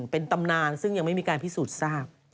เป็นตำนานซึ่งยังไม่มีการพิสูจน์ทราบ